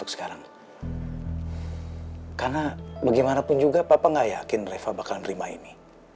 karena bagaimanapun juga papa gak yakin reva bakal nerima ini